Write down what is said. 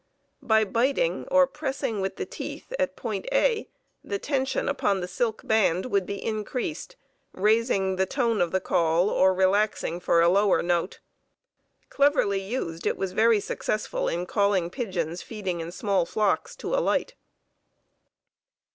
By biting or pressing with the teeth at (A) (A) the tension upon the silk band would be increased, raising the tone of the call or relaxing for a lower note. Cleverly used, it was very successful in calling pigeons feeding in small flocks to alight.